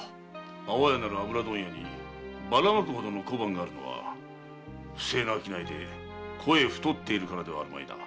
安房屋なる油問屋にばらまくほどの小判があるのは不正な商いで肥え太っているからではあるまいな？